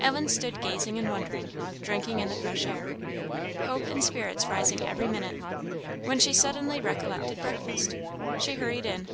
Ellen stood gazing and wondering, drinking in the fresh air, hope and spirits rising every minute, when she suddenly recollected breakfast! She hurried in.